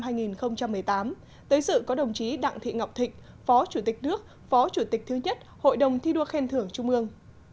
đảng thị ngọc thịnh phó chủ tịch nước phó chủ tịch thứ nhất hội đồng thi đua khen thưởng trung ương